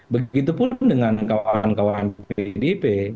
begitupun dengan kawan kawan pdip